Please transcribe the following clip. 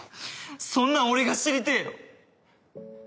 そんなん俺が知りてぇよ！